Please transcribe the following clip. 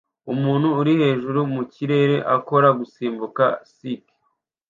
Umuntu uri hejuru mukirere akora gusimbuka ski